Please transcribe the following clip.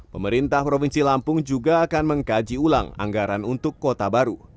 pemerintah provinsi lampung juga akan mengkaji ulang anggaran untuk kota baru